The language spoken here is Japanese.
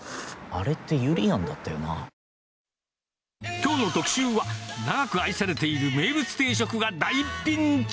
きょうの特集は、長く愛されている名物定食が大ピンチ。